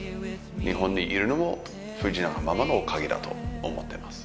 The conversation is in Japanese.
日本にいるのも藤永ママのおかげだと思ってます。